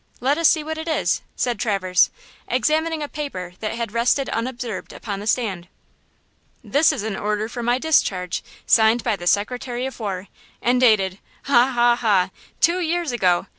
Let us see what it is!" said Traverse, examining a paper that had rested unobserved upon the stand. "This is an order for my discharge, signed by the Secretary of War, and dated–ha–ha–ha–two years ago!